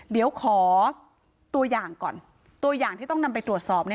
เดี๋ยวขอตัวอย่างก่อนตัวอย่างที่ต้องนำไปตรวจสอบ